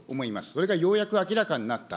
これがようやく明らかになった。